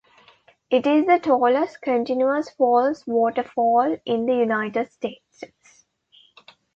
It is the tallest, continuous falls waterfall in the United States.